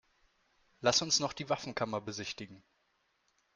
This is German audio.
Lass uns noch die Waffenkammer besichtigen.